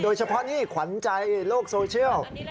เฉพาะนี่ขวัญใจโลกโซเชียล